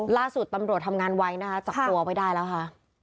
ล่าสุดตำรวจทำงานไว้นะคะจับตัวไว้ได้แล้วค่ะ